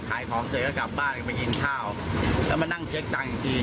ขายของเสร็จก็กลับบ้านกันไปกินข้าวแล้วมานั่งเช็คตังค์อีกที